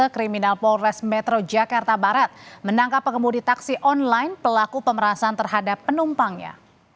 kriminal polres metro jakarta barat menangkap pengemudi taksi online pelaku pemerasan terhadap penumpangnya